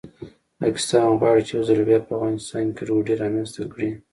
پاکستان غواړي یو ځل بیا په افغانستان کې ګډوډي رامنځته کړي